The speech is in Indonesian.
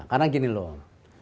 karena gini loh